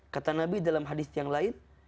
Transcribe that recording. kata nabi dalam hadis yang lain